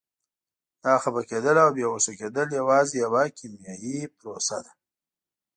دا خفه کېدل او بې هوښه کېدل یوازې یوه کیمیاوي پروسه ده.